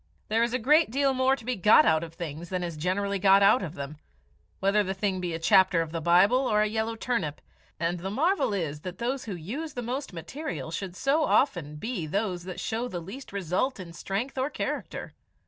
There is a great deal more to be got out of things than is generally got out of them, whether the thing be a chapter of the Bible or a yellow turnip, and the marvel is that those who use the most material should so often be those that show the least result in strength or character.